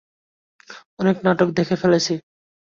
অনেক নাটক দেখে ফেলেছি।